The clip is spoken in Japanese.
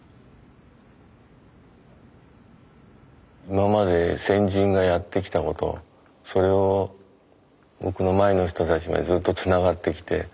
今まで先人がやってきたことそれを僕の前の人たちまでずっとつながってきて